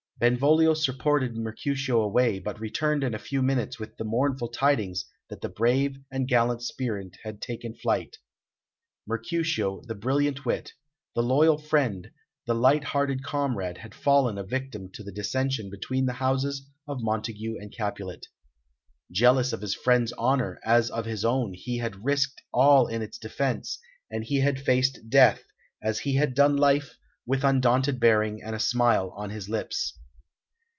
Benvolio supported Mercutio away, but returned in a few minutes with the mournful tidings that the brave and gallant spirit had taken flight. Mercutio, the brilliant wit, the loyal friend, the light hearted comrade, had fallen a victim to the dissension between the houses of Montague and Capulet. Jealous of his friend's honour, as of his own, he had risked all in its defence, and he faced death, as he had done life, with undaunted bearing and a smile on his lips.